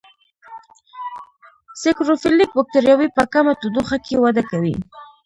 سیکروفیلیک بکټریاوې په کمه تودوخه کې وده کوي.